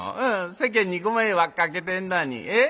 世間にご迷惑かけてんのに。